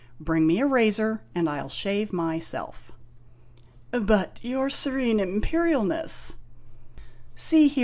Bring me a razor, and I '11 shave myself." "But, your Serene Imperialness " "See here!'